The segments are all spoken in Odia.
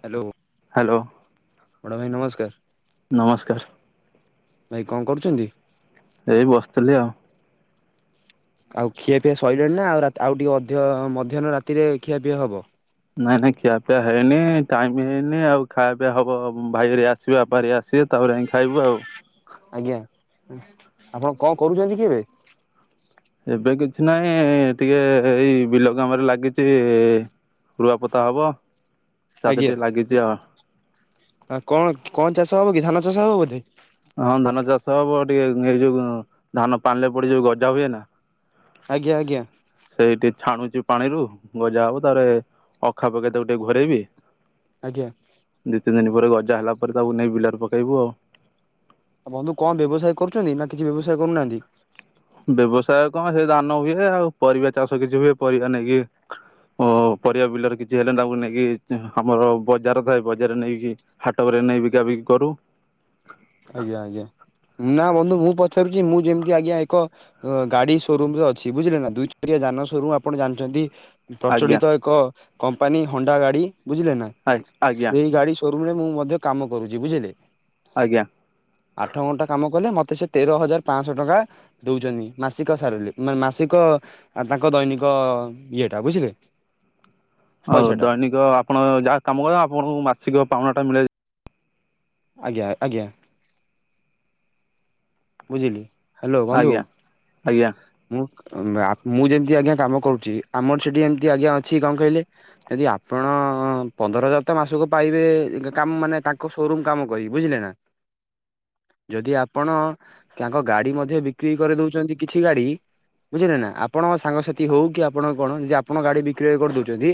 ହ୍ୟାଲୋ ହ୍ୟାଲୋ ବଡ଼ ଭାଇ ନମସ୍କାର ନମସ୍କାର ଭାଇ କଣ କରୁଛନ୍ତି? ଏଇ ବସିଥିଲି ଆଉ ଆଉ ଖିଆ ପିଆ ସରିଲାଣି ନା ଆଉ ରାତି ଆଉ ଟିକେ ଅଧିକ ମଧ୍ୟାହ୍ନ ରାତିରେ ଖିଆପିଆ ହବ ନାଇଁ ନାଇଁ ଖିଆ ପିଆ ହେଇନି ଟାଇମ ବି ହେଇନି ଆଉ ଖାଇଆ ପିଆ ହବ ଭାଇ ହେରିକା ବାପା ହେରିକା ଆସିବେ ତାପରେ ଯାଇଁକି ଖାଇବୁ ଆଉ ଆଜ୍ଞା ଆପଣ କଣ କରୁଛନ୍ତି କି ଏବେ? ଏବେ କିଛି ନାହିଁ ଟିକେ ଏଇ ବିଲ କାମରେ ଲାଗିଛି ରୁଆପୋତା ହବ ତା ଦେହରେ ଟିକେ ଲାଗିଛି ଆଉ ହଁ କଣ କଣ ଚାଷ ହବ କି ଧାନ ଚାଷ ହବ ବୋଧେ ହଁ ଧାନ ଚାଷ ହବ ଟିକେ ଏଇ ଯୋଉ ଧାନ ପାଣିରେ ପଡି ଯୋଉ ଗଜା ହୁଏ ନା ଆଜ୍ଞା ଆଜ୍ଞା ସେଇଠି ଛାଣୁଛି ପାଣିରୁ ଗଜା ହବ ତାପରେ ଅଖା ପକେଇକି ତାକୁ ଟିକେ ଘୋରେଇବି। ଆଜ୍ଞା ଦିଇ ତିନି ଦିନ ପରେ ଗଜା ହେଲା ପରେ ତାକୁ ନେଇ ବିଲରେ ପକେଇବୁ ଆଉ ଆଉ ବନ୍ଧୁ କଣ ବ୍ୟବସାୟ କରୁଛନ୍ତି ନା କିଛି ବ୍ୟବସାୟ କରୁନାହାନ୍ତି ବ୍ୟବସାୟ କଣ ସେ ଧାନ ହୁଏ ଆଉ ପରିବା ଚାଷ କିଛି ହୁଏ ପରିବା ନେଇକି ଓ ପରିବା ବିଲର କିଛି ହେଲେ ତାକୁ ନେଇକି ଆମର ବଜାର ଥାଏ ବଜାରରେ ନେଇକି ହାଟରେ ନେଇ ବିକା ବିକି କରୁ ଆଜ୍ଞା ଆଜ୍ଞା ନା ବନ୍ଧୁ ମୁଁ ପଚାରୁଛି ମୁଁ ଯେମିତି ଆଜ୍ଞା ଏକ ଗାଡି ସୋରୁମରେ ଅଛି ବୁଝିଲେ ନା ଦୁଇ ଚାକିଆ ଯାନ ସୋରୁମ ଆପଣ ଜାଣିଛନ୍ତି। ଆଜ୍ଞା ପ୍ରଚଳିତ ଏକ କମ୍ପାନୀ ହଣ୍ଡା ଗାଡି ବୁଝିଲେ ନା ଆଜ୍ଞା ସେଇ ଗାଡି? ସୋରୁମରେ ମୁଁ ମଧ୍ୟ କାମ କରୁଛି ବୁଝିଲେ। ଆଜ୍ଞା ଆଠ ଘଣ୍ଟା କାମ କଲେ ମୋତେ ସେ ତେର ହଜାର ପାଞ୍ଚଶହ ଟଙ୍କା ଦଉଛନ୍ତି ମାସିକ ସାଲେରି ମାନେ ମାସିକ ତାଙ୍କ ଦୈନିକ ଇଏଟା ବୁଝିଲେ? [unintelligible] ଆଉ ପଇସାଟା ଦୈନିକ ଆପଣ ଯାହା କାମ କ ଆପଣଙ୍କୁ ମାସିକ ପାଉଣା ଟା ମିଳେ ଆଜ୍ଞା ଆଜ୍ଞା ବୁଝିଲି। ହ୍ୟାଲୋ ବନ୍ଧୁ ଆଜ୍ଞା ଆଜ୍ଞା। ମୁଁ ମୁଁ ଯେମିତି ଆଜ୍ଞା କାମ କରୁଚି ଆମର ସେଠି ଏମିତି ଆଜ୍ଞା ଅଛି କଣ କହିଲେ। ଯଦି ଆପଣ ପନ୍ଦର ହଜାର ତ ମାସକୁ ପାଇବେ କାମ ମାନେ ତାଙ୍କ ସୋରୁମ କାମ କରି ବୁଝିଲେ ନା। ଯଦି ଆପଣ ତାଙ୍କ ଗାଡି ମଧ୍ୟ ବିକ୍ରି କରିଦଉଚନ୍ତି କିଛି ଗାଡି ବୁଝିଲେ ନା ଆପଣ ସାଙ୍ଗସାଥି ହଉ କି ଆପଣଙ୍କ କଣ ଯଦି ଆପଣ ଗାଡି ବି ବିକ୍ରୟ କରିଦଉଚନ୍ତି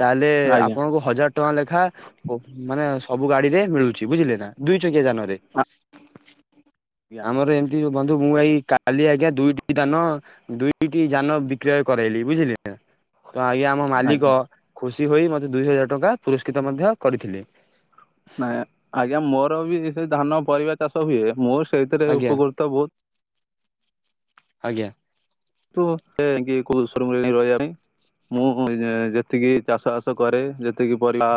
ତାହେଲେ ଆଜ୍ଞା ଆପଣଙ୍କୁ ହଜାର ଟ ଟଙ୍କା ଲେଖା ମାନେ ସବୁ ଗାଡିରେ ମିଳୁଚି ବୁଝିଲେ ନା ଦୁଇ ଚକିଆ ଯାନରେ। ଆଜ୍ଞା ଆମର ଏମିତି ବନ୍ଧୁ ମୁଁ ଭାଇ କାଲି ଆଜ୍ଞା ଦୁଇଟି ଦାନ ଦୁଇଟି ଯାନ ବିକ୍ରୟ କରାଇଲି ବୁଝିଲି ନା ତ ଆଜ୍ଞା ଆମ ମାଲିକ ଆଜ୍ଞା ଖୁସି ହୋଇ ମୋତେ ଦୁଇ ହଜାର ଟଙ୍କା ପୁରସ୍କୃତ ମଧ୍ୟ କରିଥିଲେ। ନାଇଁ ଆଜ୍ଞା ମୋର ବି ସେ ଧାନ ପରିବା ଚାଷ ହୁଏ ମୁଁ ସେଇଥିରେ ଆଜ୍ଞା ଉପକୃତ ବହୁତ ଆଜ୍ଞା। [unintelligible] ମୁଁ ଯେତିକି ଚାଷ ବାସ କରେ ଯେତିକି ପରିବା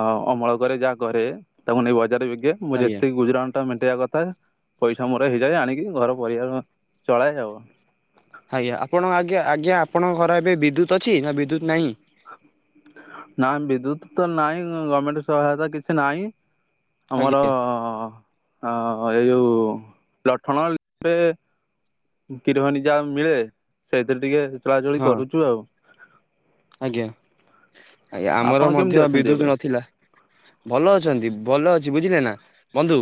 ଅ ଅମଳ କରେ ଯାହା କରେ ତାକୁ ନେଇ ବଜାରରେ ବିକି ଦିଏ। ମୁଁ ଆଜ୍ଞା ଯେତିକି ଗୁଜୁରାଣ ମେଣ୍ଟେଇବା କଥା ପଇସା ମୋର ହେଇଯାଏ ଆଣିକି ଘର ପରିବାର ଚଳାଏ ଆଉ। ଆଜ୍ଞା ଆପଣଙ୍କ ଆ ଆଜ୍ଞା ଆପଣଙ୍କ ଘରେ ଏବେ ବିଦ୍ୟୁତ ଅଛି ନା ବିଦ୍ୟୁତ ନାହିଁ। ନାଁ ବିଦ୍ୟୁତ ତ ନାଇଁ ଗମେଣ୍ଟ ସହାୟତା କିଛି ନାହିଁ। ଆମର ଆଜ୍ଞା ଏଇ ଯଉ ଲଠଣ ଏବେ [unintelligible] ଯାହା ମିଳେ ସେଇଥିରେ ଟିକେ ଚଳାଚଳି ହଁ କରୁଚୁ ଆଉ। ଆଜ୍ଞା ଆଜ୍ଞା ଆପଣ ଆମର କେମିତି ମଧ୍ୟ ଅଛନ୍ତି ଏବେ ବିଦ୍ୟୁତ ନଥିଲା। ଭଲ ଅଛନ୍ତି ଭଲ ଅଛି ବୁଝିଲେ ନା ବନ୍ଧୁ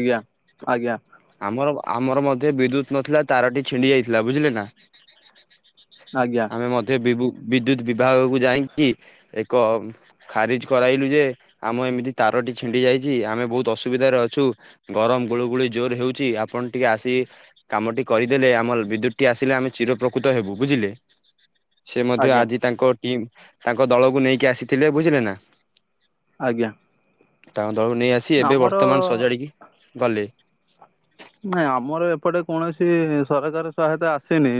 ଆଜ୍ଞା ଆଜ୍ଞା। ଆମର ଆମର ମଧ୍ୟ ବିଦ୍ୟୁତ ନଥିଲା ତାରଟି ଛିଣ୍ଡି ଯାଇଥିଲା ବୁଝିଲେ ନା। ଆଜ୍ଞା। ଆଜ୍ଞା ଆମେ ମଧ୍ୟ ବିବୁ ବିଦ୍ୟୁତ୍ ବିଭାଗକୁ ଯାଇକି ଏକ ଖାରିଜ କରାଇଲୁ ଯେ ଆମ ଏମିତି ତାରଟି ଛିଣ୍ଡି ଯାଇଚି ଆମେ ବହୁତ ଅସୁବିଧାରେ ଅଛୁ ଗରମ ଗୁଳୁ ଗୁଳି ଜୋର ହେଉଚି ଆପଣ ଟିକେ ଆସି କାମ ଟି କରିଦେଲେ ଆମର ବିଦ୍ୟୁତଟି ଆସିଲେ ଆମେ ଚିର ପ୍ରକୃତ ହେବୁ ବୁଝିଲେ। ସେ ମଧ୍ୟ ଆଜ୍ଞା ଆଜି ତାଙ୍କ ଟିମ୍ ତାଙ୍କ ଦଳକୁ ନେଇକି ଆସିଥିଲେ ବୁଝିଲେ ନା। ଆଜ୍ଞା। ତାଙ୍କ ଦଳକୁ ନେଇ ଆସି ଏବେ ବର୍ତ୍ତମାନ ଆମର ସଜାଡ଼ିକି ଗଲେ। ନାଇଁ ଆମର ଏପଟେ କୌଣସି ସରକାର ସହାୟତା ଆସେନି।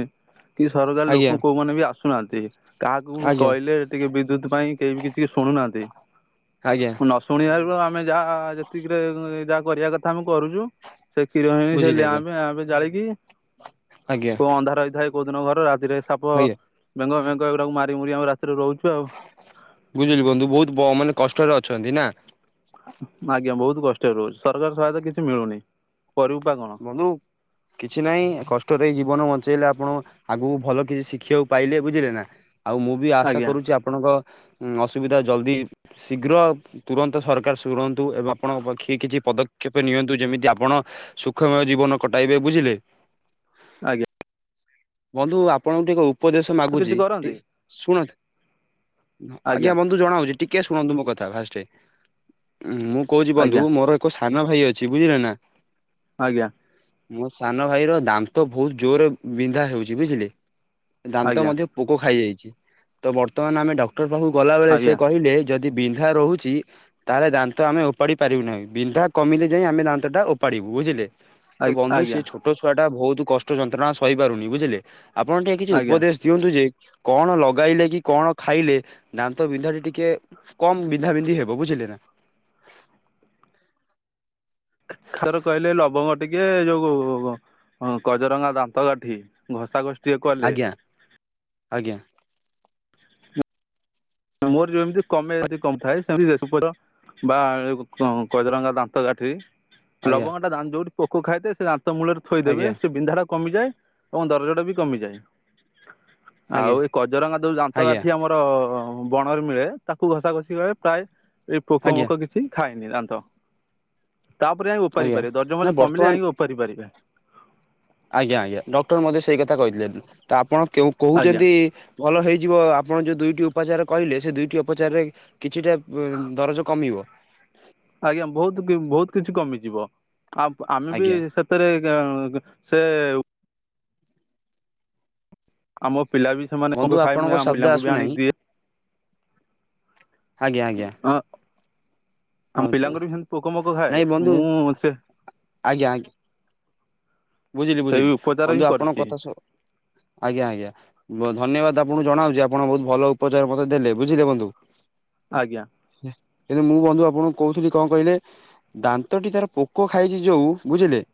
କି ସରକାରୀ ଆଜ୍ଞା ଲୋକ କୋଉମାନେ ବି ଆସୁନାହାନ୍ତି। କାହାକୁ ଆଜ୍ଞା କହିଲେ ଟିକେ ବିଦ୍ୟୁତ ପାଇଁ କେହି ବି କିଛି ଶୁଣୁନାହାନ୍ତି। ଆଜ୍ଞା। ନ ଶୁଣିବାରୁ ଆମେ ଯାହା ଯେତିକିରେ ଯାହା କରିବା କଥା ଆମେ କରୁଚୁ। ସେ କ୍ଷୀର ହେଇ ସେ ବୁଝିଲି ଆଜ୍ଞା ଲ୍ୟାବ ପ୍ୟାବ ଜାଳିକି ଆଜ୍ଞା କୋଉ ଅନ୍ଧାର ହେଇଥାଏ କୋଉ ଦିନ ଘର ରାତିରେ ସାପ ଆଜ୍ଞା ବେଙ୍ଗ ବେଙ୍ଗ ଏଗୁଡାକୁ ମାରି ମୁରି ଆମେ ରାତିରେ ରହୁଚୁ ଆଉ। ବୁଝିଲି ବନ୍ଧୁ ବହୁତ ବ ମାନେ କଷ୍ଟରେ ଅଛନ୍ତି। ନା? ଆଜ୍ଞା ବହୁତ କଷ୍ଟ ରହୁଚୁ ସରକାର ସହାୟତା କିଛି ମିଳୁନି କରିବୁ ବା କଣ? ବନ୍ଧୁ କିଛି ନାହିଁ କଷ୍ଟରେ ଜୀବନ ବଞ୍ଚେଇଲେ ଆପଣ ଆଗକୁ ଭଲ କିଛି ଶିଖିବାକୁ ପାଇଲେ ବୁଝିଲେ ନା। ଆଉ ମୁଁ ବି ଆଶା ଆଜ୍ଞା କରୁଛି ଆପ ଆପଣଙ୍କ ଅସୁବିଧା ଜଲ୍ଦି ଶୀଘ୍ର ତୁରନ୍ତ ସରକାର ଶୁଣନ୍ତୁ ଏବଂ ଆପଣଙ୍କ ପଖେ କିଛି ପଦକ୍ଷେପ ନିଅନ୍ତୁ ଯେମିତି ଆପଣ ସୁଖ ସୁଖମୟ ଜୀବନ କଟାଇବେ ବୁଝିଲେ? ଆଜ୍ଞା ବନ୍ଧୁ ଆପଣଙ୍କୁ ଟିକେ ଉପଦେଶ କିଛି ମାଗୁଛି ଟି କରନ୍ତି ଶୁଣନ୍ତୁ? ଉହଁ ଆଜ୍ଞା ବନ୍ଧୁ ଜଣାଉଛି ଟିକେ ଶୁଣନ୍ତୁ ମୋ କଥା ଫାଷ୍ଟେ ମୁଁ କହୁଛି ବନ୍ଧୁ ଆଜ୍ଞା ମୋର ଏକ ସାନ ଭାଇ ଅଛି ବୁଝିଲେ ନା ଆଜ୍ଞା ମୋ ସାନ ଭାଇ ର ଦାନ୍ତ ବହୁତ ଜୋରରେ ବିନ୍ଧା ହେଉଛି ବୁଝିଲେ ଦାନ୍ତ ଆଜ୍ଞା ମଧ୍ୟ ପୋକ ଖାଇଯାଇଛି ତ ବର୍ତ୍ତମାନ ଆମେ ଡକ୍ଟର ପାଖକୁ ଗଲାବେଳେ ସେ ଆଜ୍ଞା। କହିଲେ ଯଦି ବିନ୍ଧା ରହୁଛି ତାହେଲେ ଦାନ୍ତ ଆମେ ଉପାଡି ପାରିବୁ ନାହିଁ ବିନ୍ଧା କମିଲେ ଯାଇ ଆମେ ଦାନ୍ତ ଟା ଉପାଡିବୁ ବୁଝିଲେ। ଆ ତ ବନ୍ଧୁ ସେ ଆଜ୍ଞା ଛୋଟ ଛୁଆ ଟା ବହୁତ କଷ୍ଟ ଯନ୍ତ୍ରଣା ସହି ପାରୁନି ବୁଝିଲେ। ଆପଣ ଟିକେ କିଛି ଆଜ୍ଞା ଉପଦେଶ ଦିଅନ୍ତୁ ଯେ କଣ ଲଗାଇଲେ କି କଣ ଖାଇଲେ ଦାନ୍ତ ବିନ୍ଧାଟି ଟିକେ କମ୍ ବିନ୍ଧା ବିନ୍ଧି ହେବ ବୁଝିଲେ ନା। ଖା ଖାର କହିଲେ ଲବଙ୍ଗ ଟିକେ ଯୋଉଗୁ ଗ ହଁ କଜରଙ୍ଗା ଦାନ୍ତ କାଠି ଘଷା ଘଷି ଆଜ୍ଞା ଆଜ୍ଞା ମୋର ଯେମିତି କମେଇ ବା କମଥାଏ ସେମିତି ଜେସୁ ପଡ ବା ଏକୋ କଂ କଜରଙ୍ଗା ଦାନ୍ତ କାଠି ଆଜ୍ଞା ଲବଙ୍ଗ ଟା ଦାନ୍ତ ଯୋଉଠି ପୋକ ଖାଇଥାଏ ସେ ଦାନ୍ତ ମୂଳ ରେ ଥୋଇ ଦେବେ ଆଜ୍ଞା ସେ ବିନ୍ଧା ଟା କମି ଯାଏ। ଏବଂ ଦରଜଟା ବି କମିଯାଏ ଆଉ ଆଜ୍ଞା ଏ କଜରଙ୍ଗା ଯୋଉ ଆଜ୍ଞା ଦାନ୍ତକାଠି ଆମର ବଣରେ ମିଳେ ତାକୁ ଘଷା ଘଷି ଅଏ ପ୍ରାୟ ଏଇ ପୋକ ଆଜ୍ଞା ଆଜ୍ଞା ମୋକ କିଛି ଛି ଖାଇନି ଦାନ୍ତ ତାପରେ ଯାଇଁ ଓପାରି ଆଜ୍ଞା ପାରିବେ ଦର୍ଜ ନା ମର୍ଜ କମିଲେ ବର୍ତ୍ତମାନ ଯାଇଁ ଓପାରି ପାରିବେ। ଆଜ୍ଞା ଆଜ୍ଞା ଡକ୍ଟର ମତେ ସେଇ କଥା କହିଥିଲେ ତା ଆପଣ କେଁଉ ଆଜ୍ଞା କହୁଛନ୍ତି ଭଲ ହେଇଯିବ ଆପଣ ଯୋଉ ଦୁଇଟି ଉପଚାର କହିଲେ ସେ ଦୁଇଟି ଉପଚାରରେ କିଛିଟା ପ ଦରଜ କମିବ? ଆଜ୍ଞା ବହୁତ କି ବହୁତ କିଛି କମିଯିବ ଆପ ଆମେ ବି ଆଜ୍ଞା ସେତ ରେ [unintelligible] ସେ ଆମ ପିଲା ବି ସେମାନେ ବନ୍ଧୁ କପୋକ ଖାଏ ଆପଣଙ୍କ ମୁଁ ଆମ ଶବ୍ଦ ପିଲାଙ୍କୁ ବି ଆଣି ଆସୁନାହିଁ ଦିଏ। ଆଜ୍ଞା ଆଜ୍ଞା ହଁ, ଆମ ଆଚ୍ଛା। ପିଲାଙ୍କର ବି ସେମି ତି ପୋକ ମୋକ ଖାଏ ନାଇଁ ବନ୍ଧୁ ମୁଁ ସେ ଆଜ୍ଞା ଆଜ୍ଞା ବୁଝିଲି ସେଇ ବୁଝିଲି ଉପଚାର ହିଁ ବନ୍ଧୁ ଆପଣଙ୍କ କରିଛି କଥା ସ ଆଜ୍ଞା ଆଜ୍ଞା। ବ ଧନ୍ୟବାଦ ଆପଣଙ୍କୁ ଜଣାଉଛି ଆପଣ ବହୁତ ଭଲ ଉପଚାର ମତେ ଦେଲେ ବୁଝିଲେ ବନ୍ଧୁ। ଆଜ୍ଞା ହେ ଏଯେ ମୁଁ ବନ୍ଧୁ ଆପଣଙ୍କୁ କହୁଥିଲି କଣ କହିଲେ ଦାନ୍ତଟି ତାର ପୋକ ଖାଇଛି ଯୋଉ ବୁଝିଲେ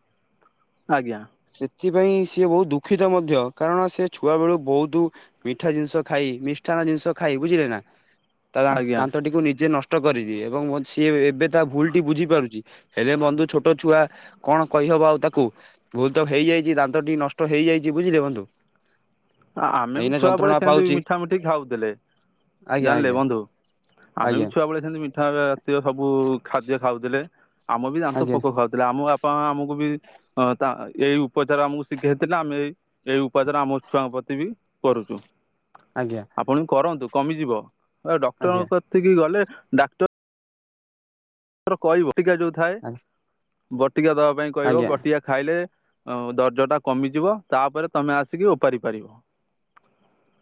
ଆଜ୍ଞା ସେଥିପାଇଁ ସିଏ ବହୁତ ଦୁଃଖିତ ମଧ୍ୟ କାରଣ ସେ ଛୁଆ ବେଳୁ ବହୁତ ମିଠା ଜିନିଷ ଖାଇ ମିଷ୍ଟାନ ଜିନିଷ ଖାଇ ବୁଝିଲେ ନା ତା ଦାନ୍ତ ଆଜ୍ଞା ଦାନ୍ତ ଟିକୁ ନିଜେ ନଷ୍ଟ କରିଛି ଏବଂ ମୋ ସିଏ ଏବେ ତା ଭୁଲ ଟି ବୁଝିପାରୁଛି। କି ହେଲେ ବନ୍ଧୁ ଛୋଟ ଛୁଆ କଣ କହିହବ ଆଉ ତାକୁ ଭୁଲ ତ ହେଇଯାଇଛି ଦାନ୍ତ ଟି ନଷ୍ଟ ହେଇଯାଇଛି ବୁଝିଲେ ବନ୍ଧୁ। ଆ ଆମେ ବି ଏଇନା ଛୁଆବେେଳେ ଯନ୍ତ୍ରଣା ସେମିତି ପାଉଛି ମିଠା ମିଠି ଖାଉଥିଲେ। ଆଜ୍ଞା ଜାଣିଲେ ଆଜ୍ଞା ବନ୍ଧୁ ଆମେ ବି ଆଜ୍ଞା ଛୁଆ ବେଳେ ସେମିତି ମି ତା ହେଲେ ଜାତୀୟ ସବୁ ଖାଦ୍ୟ ଖାଉଥିଲେ ଆମ ବି ଦାନ୍ତ ଆଜ୍ଞା ପୋକ ଖାଉ ସେଟା ଆମୁ ଆପଣ ଆମକୁ ବି, ହଁ ତା ଏଇ ଉପଚାର ଆମକୁ ଶିଖେଥିଲେ ଆମେ ଏଇ-ଏଇ ଉପଚାର ଆମ, ଛୁଆ ବତିବି କରୁଛୁ, ଆଜ୍ଞା, ପୁଣି କରନ୍ତୁ କମିଯିବ ଏ ଆଜ୍ଞା ଡକ୍ଟରଙ୍କ କତିକି ଗଲେ ଡାକ୍ଟର୍, କହିବ ବଟିକା ଯୋଉ ଥାଏ ବଟିକା ଦବା ପାଇଁ କହିବ ଆଜ୍ଞା ବଟିକା, ଖାଇଲେ ଆଉ ଦରଜ ଟା କମିଯିବ ତାପରେ ତମେ ଆସିକି ଓପାରି ପାରିବ,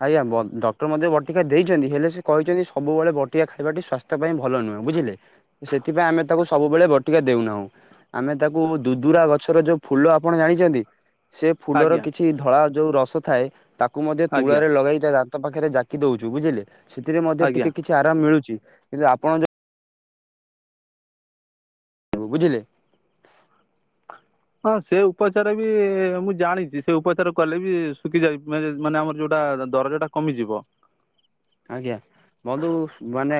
ଆଜ୍ଞା ବ ଡକ୍ଟର ମଧ୍ୟ ବଟିକା ଦେଇଛନ୍ତି ହେଲେ ସେ କହିଛନ୍ତି ସବୁବେଳେ ବଟିକା ଖାଇବାଟି ସ୍ୱାସ୍ଥ୍ୟ ପାଇଁ ଭଲ ନୁହେଁ ବୁଝିଲେ, ସେଥିପାଇଁ ଆମେ ତାକୁ ସବୁବେଳେ ବଟିକା ଦଉନାହୁଁ, ଆମେ ତାକୁ ଦୁଦୁରା ଗଛର ଯୋଉ ଫୁଲ ଆପଣ ଜାଣିଛନ୍ତି? ସେ ଫୁଲର ଆଜ୍ଞା କିଛି ଧଳା ଯେଉଁ ରସ ଥାଏ ତାକୁ ମଧ୍ୟ ଆଜ୍ଞା ତୁଳାରେ ଲଗାଇଥାଏ ଦା ତ ପାଖରେ ଜାକି ଦଉଛୁ ବୁଝିଲେ ସେଥିରେ ମଧ୍ୟ ଆଜ୍ଞା ଟିକେ କିଛି ଆରାମ ମିଳୁଛି କିନ୍ତୁ ଆପଣ ଯ ବୁ ବୁଝିଲେ? ହଁ ସେ ଉପଚାର ବି ମୁଁ ଜାଣିଛି ସେ ଉପଚାର କଲେ ବି ଶୁଖି ଯାଇ ମାନେ ଆମର ଯୋଉଟା ଦରଜ, ତା କମିଯିବ, ଆଜ୍ଞା ବନ୍ଧୁ ଉସ୍ ମାନେ,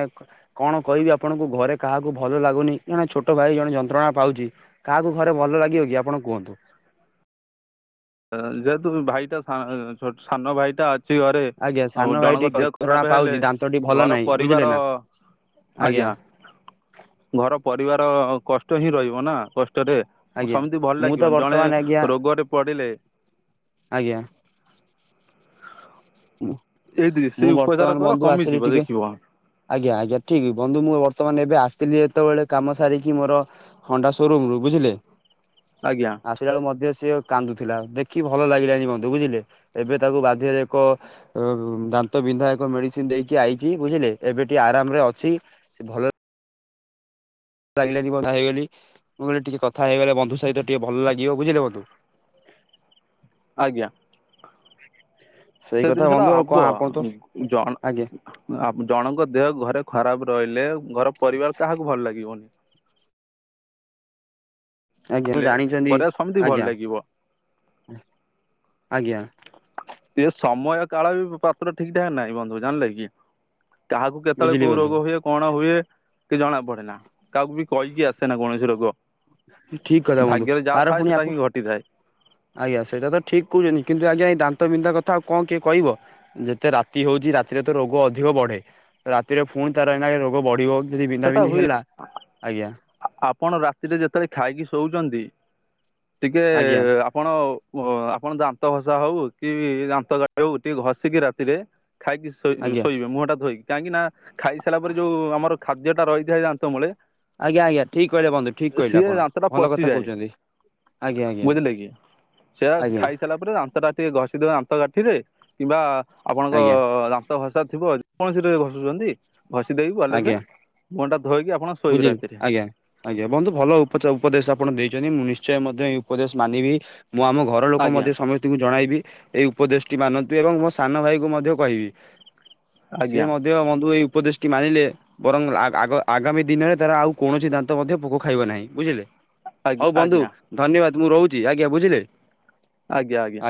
କଣ କହିବି ଆପଣଙ୍କୁ ଘରେ କାହାକୁ ଭଲ ଲାଗୁନି ଜଣେ ଛୋଟ ଭାଇ ଜଣେ ଯନ୍ତ୍ରଣା ପାଉଛି, କାହାକୁ ଘରେ ଭଲ ଲାଗିବ କି ଆପଣ କୁହନ୍ତୁ, ଯେ ଯେହେତୁ ଭାଇଟା ସା ଛୋଟ୍ ସାନ ଭାଇଟା ଅଛି ଘରେ, ଆଜ୍ଞା ସାନ ଆଉ ଭାଇ ଜଣଙ୍କ ଟିକେ ଦେହ ଯନ୍ତ୍ରଣା ଖରାପ୍ ପାଉଛି ହେଲେ ଦାନ୍ତ ଟି ଭଲ ଘର ନାହିଁ ବୁଝିଲେ ପରିବାର ନା ଆଜ୍ଞା, ଘର ପରିବାର କଷ୍ଟ ହିଁ ରହିବ ନା କଷ୍ଟରେ, ହଁ ଆଜ୍ଞା ସମତି ଭଲ ମୁଁ ତ ଲାଗିବନି ଜଣେ ବର୍ତ୍ତମାନ ଆଜ୍ଞା ରୋଗରେ ପଡ଼ିଲେ, ଆଜ୍ଞା ଏଇ ସେଇ ମୁଁ ଉପଚାର ବର୍ତ୍ତମାନ କର ବନ୍ଧୁ ଆସିଲି କମିଯିବ ଟିକେ, ଦେଖିବ ଆଜ୍ଞା-ଆଜ୍ଞା ଠିକ୍ ବନ୍ଧୁ ମୁଁ ବର୍ତ୍ତମାନ ଏବେ ଆସିଥିଲି ଯେତେବେଳେ କାମ ସାରିକି ମୋର, ହଣ୍ଡା ସୋରୁମ ରୁ ବୁଝିଲେ? ଆଜ୍ଞା, ଆସିଲା ବେକୁ ମଧ୍ୟ ସିଏ କାନ୍ଦୁଥିଲା ଦେଖି ଭଲ ଲାଗିଲାଣି ବନ୍ଧୁ ବୁଝିଲେ ଏବେ ତାକୁ ବାଧ୍ୟରେ, ଏକ ଦାନ୍ତବିନ୍ଧା ଏକ ମେଡ଼ିସିନ ଦେଇକି ଆଇଛି ବୁଝିଲେ ଏବେଟିିକେ ଆରାମରେ ଅଛି, ସେ ଭଲରେ, ଲାଗିଲା କଥା ହେଇଗଲି ମୁଁ କ ଟିକେ କଥା ହେଇଗଲେ ବନ୍ଧୁ ସହିତ ଟିକେ ଭଲ ଲାଗିବ ବୁଝିଲେ ବନ୍ଧୁ? ଆଜ୍ଞା, ସେଇ ସେ କଥା ଜିନିଷ ଟା ବନ୍ଧୁ ଆଉ କଣ ହବ ଆପଣ ତ ଜଣ, ଆଜ୍ଞା ଆପ୍ ଜଣଙ୍କ ଦେହ ଘରେ ଖରାପ୍ ରହିଲେ ଘର ପରିବାର କାହାକୁ ଭଲ ଲାଗିବନି, ଆଜ୍ଞା ଜାଣିଛନ୍ତି ପରିବାର ସେମିତି ଭଲ ଲାଗିବ ଆଜ୍ଞା-ଆଜ୍ଞା, ସେ ସମୟ କାଳ ବି ପାତ୍ର ଠିକ୍ ଠାକ୍ ନାହିଁ ବନ୍ଧୁ ଜାଣିଲେ କି, କାହାକୁ କେତେବେଳେ ବୁଝିଲି କୋଉ ବନ୍ଧୁ ରୋଗ ହୁଏ, କଣ ହୁଏ କି ଜଣା ପଡ଼େ ନା କାହାକୁ ବି କହିକି ଆସେ ନା କୌଣସି ରୋଗ, ଠିକ୍ କଥା ବନ୍ଧୁ ଭାଗ୍ୟରେ ଯାହା ତାର ଥାଏ ପୁଣି ସେଟା ହିଁ ଆକୁ, ଘଟିଥାଏ ଆଜ୍ଞା ସେଇଟା ତ ଠିକ୍ କହୁଛନ୍ତି କିନ୍ତ ଆଜ୍ଞା ଏଇ ଦାନ୍ତ ବିନ୍ଧା କଥା ଆଉ କଁ କିଏ କହିବ, ଯେତେ ରାତି ହଉଛି ରାତିରେ ତ ରୋଗ ଅଧିକ ବଢ଼େ ତ ରାତିରେ ପୁଣି ତାର ଏଇନାକେ ରୋଗ ବଢ଼ିବ, ଯଦି ବିନ୍ଧା ସେଟା ବିନ୍ଧି ହୁଏ ହେଲା ଆଜ୍ଞା, ଆ ଆପଣ ରାତିରେ ଯେତେବେଳେ ଖାଇକି ଶୋଉଛନ୍ତି ଟିକେ ଆଜ୍ଞା ଆପଣ ଓ, ହ ଆପଣ ଦାନ୍ତ ଘଷା ହଉ କି ଦାନ୍ତ କାଠି ହଉ ଟିକେ ଘଷିକି ରାତିରେ ଖାଇକି। ଶୋଇ ଆଜ୍ଞା ଶୋଇବେ ମୁହଁ ଟା ଧୋଇ କାହିଁକି ନା ଖାଇ ସାରିଲା ପରେ ଯୋଉ ଆମର ଖାଦ୍ୟ ଟା ରହିଥାଏ ଦାନ୍ତ ମୂଳେ। ଆଜ୍ଞା ଆଜ୍ଞା ଠିକ୍ କହିଲେ ବନ୍ଧୁ ଠିକ୍ କହିଲେ ସିଏ ଆପଣ ଦାନ୍ତଟା ଭଲ କଥା ପଚିଯାଏ କହୁଛନ୍ତି। ଆଜ୍ଞା ଆଜ୍ଞା। ବୁଝିଲେ କି ସେୟା ଆଜ୍ଞା ଖାଇସାରିଲା ପରେ ଦାନ୍ତ ଟା ଟିକେ ଘଷିଦବା ଦାନ୍ତ କାଠିରେ କିମ୍ବା ଆପଣଙ୍କ ଆଜ୍ଞା ତ ଘସା ଥିବ ଯେ କୌଣସି ରେ ଘସୁଛନ୍ତି ଘଷି ଦେଇକି ଭଲ ସେ ମୁହ ଟା ଧୋଇକି ଆପଣ। ଶୋଇବେ ବୁଝିଲୁ ରାତିରେ ଆଜ୍ଞା। ଆଜ୍ଞା ବନ୍ଧୁ ଭଲ ଉପଚ ଉପଦେଶ ଆପଣ ଦେଇଛନ୍ତି ମୁଁ ନିଶ୍ଚୟ ମଧ୍ୟ ଏଇ ଉପଦେଶ ମାନିବି ମୁଁ ଆମ ଘ ର ଲୋକ ଆଜ୍ଞା ମଧ୍ୟ ସମସ୍ତଙ୍କୁ ଜଣାଇବି। ଏଇ ଉପଦେଶଟି ମାନନ୍ତୁ ଏବଂ ମୋ ସାନ ଭାଇକୁ ମଧ୍ୟ କହିବି ସେ ଆଜ୍ଞା ମ ଧ୍ୟ ବନ୍ଧୁ ଏଇ ଉପଦେଶଟି ମାନିଲେ ବରଂ ଆ-ଆଗ ଆଗାମୀ। ଦିନରେ ତାର ଆଉ କୌଣସି ଦାନ୍ତ ମଧ୍ୟ ପୋକ ଖାଇବ ନାହିଁ ବୁଝିଲେ ଆଜ୍ଞା ହଉ ବନ୍ଧୁ। ଆଜ୍ଞା ଧନ୍ୟବାଦ ମୁଁ ରହୁଛି ଆଜ୍ଞା ବୁଝିଲେ। ଆଜ୍ଞା ଆଜ୍ଞା।